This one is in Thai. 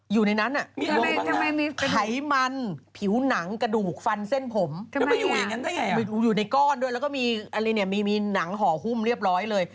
อยู่ในนั้นมีอะไรไขมันผิวหนังกระดูกฟันเส้นผมอยู่ในก้อนด้วยแล้วก็มีอะไรเนี่ยมีหนังห่อหุ้มเรียบร้อยเลย